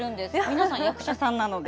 皆さん、役者さんなので。